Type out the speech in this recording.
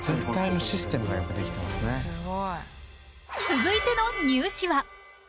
続いてのニュー試は。